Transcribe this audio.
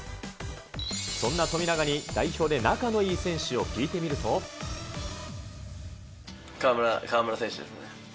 そんな富永に代表で仲のいい河村選手ですね。